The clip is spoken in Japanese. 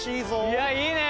いやいいね！